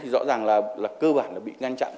rõ ràng là cơ bản bị ngăn chặn